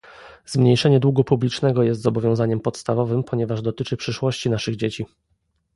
Zmniejszenie długu publicznego jest zobowiązaniem podstawowym, ponieważ dotyczy przyszłości naszych dzieci